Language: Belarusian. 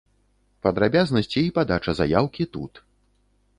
Падрабязнасці і падача заяўкі тут.